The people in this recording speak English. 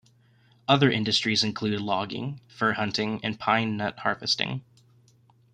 Other industries include logging, fur hunting and pine nut harvesting.